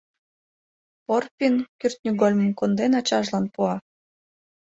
Порпин кӱртньыгольмым, конден, ачажлан пуа.